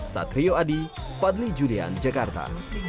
satrio adi fadli julian jakarta